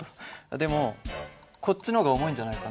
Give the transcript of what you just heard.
でもこっちの方が重いんじゃないかな。